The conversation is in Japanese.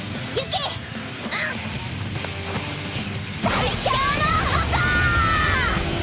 「最強の矛」！